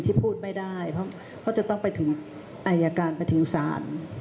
พูดไม่ได้เพราะจะต้องไปถึงอายการไปถึงศาล